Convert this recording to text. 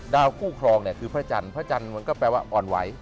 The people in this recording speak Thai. คู่ครองเนี่ยคือพระจันทร์พระจันทร์มันก็แปลว่าอ่อนไหว